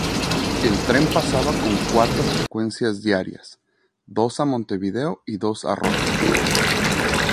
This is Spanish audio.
El tren pasaba con cuatro frecuencias diarias, dos a Montevideo y dos a Rocha.